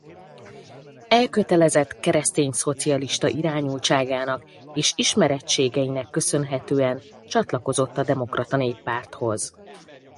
Elkötelezett keresztényszocialista irányultságának és ismertségeinek köszönhetően csatlakozott a Demokrata Néppárthoz.